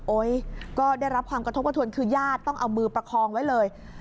ก็ได้รับความกระทบกระทวนคือญาติต้องเอามือประคองไว้เลย